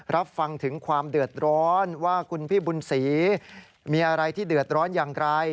รับฟังถึงความเดือดร้อนว่าคุณพี่บุญศรีมีอะไรที่เดือดร้อนอย่างไร